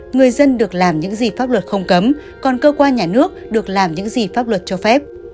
người dân được làm những gì pháp luật không cấm còn cơ quan nhà nước được làm những gì pháp luật cho phép